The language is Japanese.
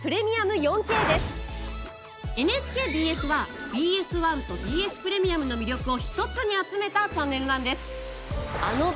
ＮＨＫＢＳはＢＳ１とＢＳプレミアムの魅力を一つに集めたチャンネルなんです。